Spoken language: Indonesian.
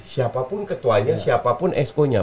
siapapun ketuanya siapapun eskonya